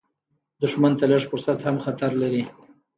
دښمن ته لږ فرصت هم خطر لري